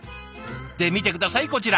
で見て下さいこちら。